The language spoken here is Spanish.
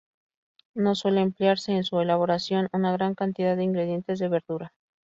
No suele emplearse en su elaboración una gran cantidad de ingredientes de verdura.